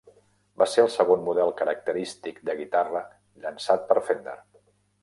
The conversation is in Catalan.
Va ser el segon model característic de guitarra llançat per Fender.